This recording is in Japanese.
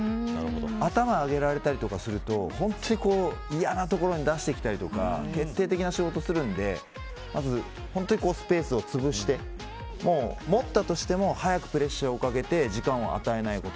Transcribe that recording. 頭を上げられたりすると嫌な所に出してきたり決定的な仕事をするのでまずは本当にスペースをつぶして持ったとしても早くプレッシャーをかけて時間を与えないこと。